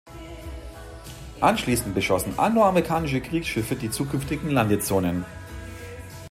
Anschließend beschossen angloamerikanische Kriegsschiffe die zukünftigen Landezonen.